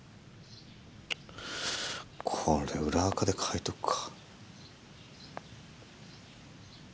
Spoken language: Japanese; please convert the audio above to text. これ裏垢で書いとくか。